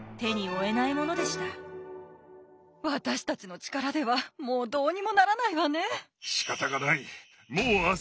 私たちの力ではもうどうにもならないわね。